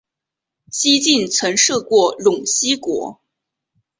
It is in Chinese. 西晋曾设过陇西国。